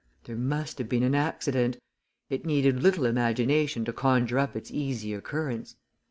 There must have been an accident it needed little imagination to conjure up its easy occurrence.